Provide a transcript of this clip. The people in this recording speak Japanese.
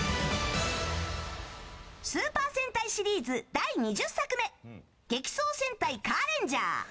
スーパー戦隊シリーズ第２０作目「激走戦隊カーレンジャー」。